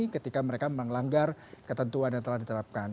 ketika mereka melanggar ketentuan yang telah diterapkan